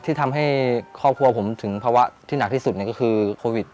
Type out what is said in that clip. ที่ทำให้ครอบครัวผมถึงภาวะที่หนักที่สุดก็คือโควิด